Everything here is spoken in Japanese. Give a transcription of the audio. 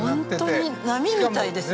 本当に波みたいですね。